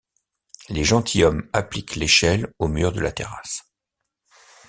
Les gentilshommes appliquent l’échelle au mur de la terrasse.